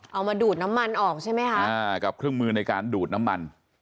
เอามาดูดน้ำมันออกใช่ไหมคะอ่ากับเครื่องมือในการดูดน้ำมัน